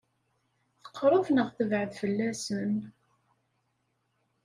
Teqṛeb neɣ tebɛed fell-asen?